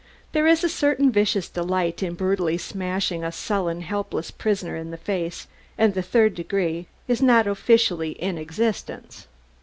There is a certain vicious delight in brutally smashing a sullen, helpless prisoner in the face; and the "third degree" is not officially in existence.